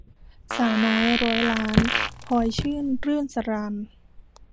สาวน้อยร้อยล้าน - พลอยชื่น-รื่นสราญ